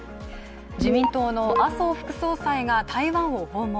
自民党の麻生副総裁が台湾を訪問。